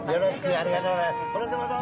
ありがとうございます。